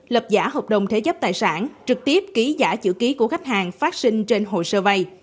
lập giả hợp đồng thế giáp tài sản trực tiếp ký giả chữ ký của khách hàng phát sinh trên hồ sơ vay